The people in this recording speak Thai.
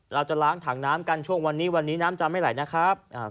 เราจะล้างถังน้ำกันช่วงวันนี้วันนี้น้ำจะไม่ไหลนะครับ